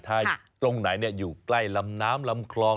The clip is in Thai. ถ้าตรงไหนอยู่ใกล้ลำน้ำลำคลอง